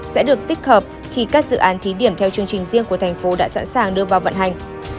sẽ được tích hợp khi các dự án thí điểm theo chương trình riêng của thành phố đã sẵn sàng đưa vào vận hành